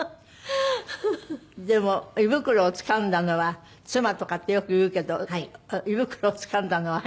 でも胃袋をつかんだのは妻とかってよく言うけど胃袋をつかんだのは母？